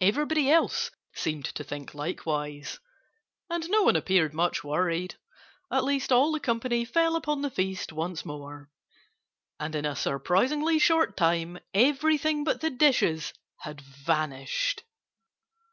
Everybody else seemed to think likewise. And no one appeared much worried. At least, all the company fell upon the feast once more. And in a surprisingly short time everything but the dishes had vanished.